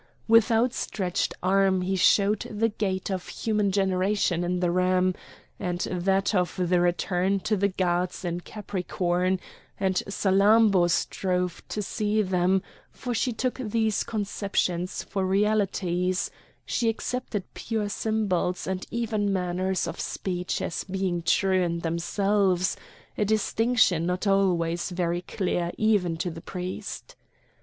With outstretched arm he showed the gate of human generation in the Ram, and that of the return to the gods in Capricorn; and Salammbô strove to see them, for she took these conceptions for realities; she accepted pure symbols and even manners of speech as being true in themselves, a distinction not always very clear even to the priest.